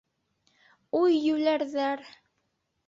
Уй, йүләрҙәр!